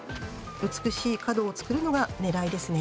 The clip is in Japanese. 美しい角を作るのがねらいですね。